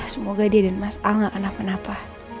semoga dia dan mas al gak kenapa napa